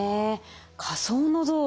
仮想の道路。